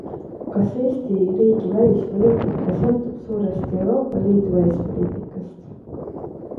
Kas Eesti riigi välispoliitika sõltub suuresti Euroopa Liidu välispoliitikast?